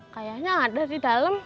kayaknya ada di dalam